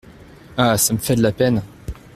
Ah ! ça me fait de la peine !